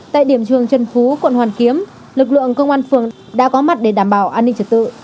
tại điểm trường trần phú quận hoàn kiếm lực lượng công an phường đã có mặt để đảm bảo an ninh trật tự